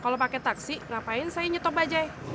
kalau pakai taksi ngapain saya nyetok bajaj